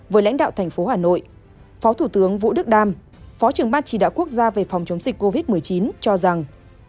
với lãnh đạo thành phố hà nội phó thủ tướng vũ đức đam phó trưởng ban chỉ đạo quốc gia về phòng chống dịch covid một mươi chín cho rằng